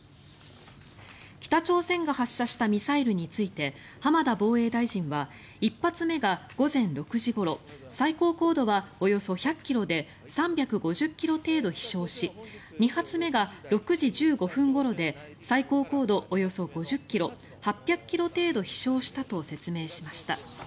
北朝鮮が発射したミサイルについて浜田防衛大臣は１発目が午前６時ごろ最高高度はおよそ１００ｋｍで３５０ｋｍ程度飛翔し２発目が６時１５分ごろで最高高度およそ５０ｋｍ８００ｋｍ程度飛翔したと説明しました。